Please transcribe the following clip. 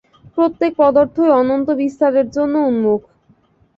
প্রত্যেক পদার্থই অনন্ত বিস্তারের জন্য উন্মুখ।